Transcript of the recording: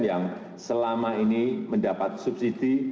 yang selama ini mendapat subsidi